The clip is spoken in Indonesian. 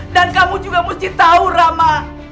dan kamu juga mesti tahu rama